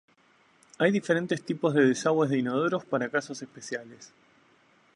Hay diferentes tipos de Desagües de inodoros para casos especiales.